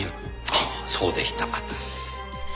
ああそうでした。